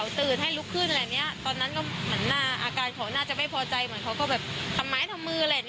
วันนี้ก็นั่งแท็กซี่มาไม่กล้าไปรอรถเมล์แล้ว